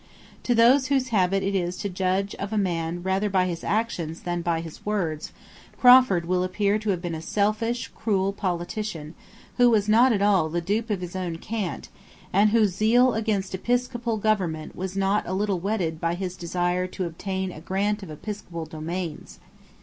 To those whose habit it is to judge of a man rather by his actions than by his words, Crawford will appear to have been a selfish, cruel politician, who was not at all the dupe of his own cant, and whose zeal against episcopal government was not a little whetted by his desire to obtain a grant of episcopal domains.